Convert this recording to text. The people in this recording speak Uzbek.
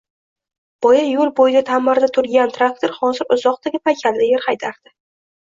Boya yoʻl boʻyida taʼmirda turgan traktor hozir uzoqdagi paykalda yer haydardi